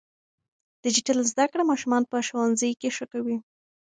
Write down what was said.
ډیجیټل زده کړه ماشومان په ښوونځي کې ښه کوي.